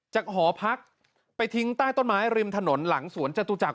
หอพักไปทิ้งใต้ต้นไม้ริมถนนหลังสวนจตุจักร